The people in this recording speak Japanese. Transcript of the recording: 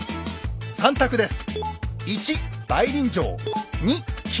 ３択です。